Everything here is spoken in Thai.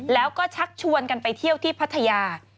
แล้วก็ชักชวนกันไปเที่ยวที่พัทยา